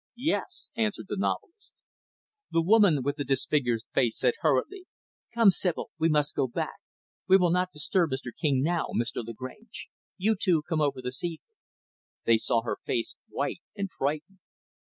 "Yes," answered the novelist. The woman with the disfigured face said hurriedly, "Come, Sibyl, we must go back. We will not disturb Mr. King, now, Mr. Lagrange. You two come over this evening." They saw her face white and frightened.